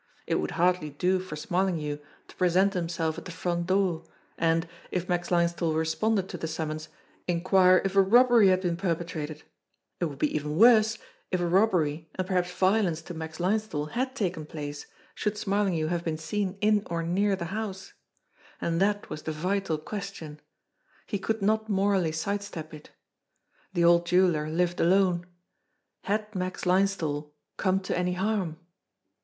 It would hardly do for Smarlinghue to present himself at the front door, and, if Max Linesthal responded to the summons, inquire if a robbery had been perpetrated ! It would be even worse, if a robbery and per haps violence to Max Linesthal had taken place, should Smarlinghue have been seen in or near the house. And that A DEVIL'S ALI3I 179 was the vital question. He could not morally side step it. The old jeweller lived alone. Had Max Linesthal come to any harm?